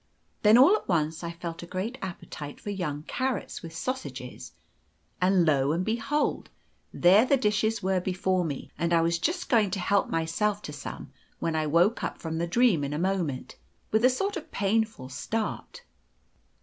Then all at once I felt a great appetite for young carrots with sausages; and lo and behold! there the dishes were before me, and I was just going to help myself to some when I woke up from the dream in a moment, with a sort of painful start."